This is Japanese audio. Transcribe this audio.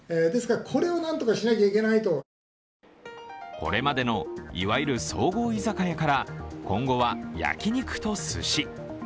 これまでの、いわゆる総合居酒屋から今後は焼き肉とすし。